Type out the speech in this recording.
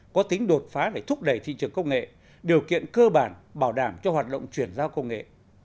có tính đột phá để thúc đẩy thị trường công nghệ điều kiện cơ bản bảo đảm cho hoạt động chuyển giao công nghệ